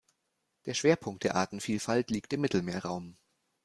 Der Schwerpunkt der Artenvielfalt liegt im Mittelmeerraum.